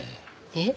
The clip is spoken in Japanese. え？